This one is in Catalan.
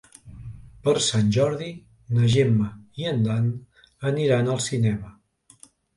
Per Sant Jordi na Gemma i en Dan aniran al cinema.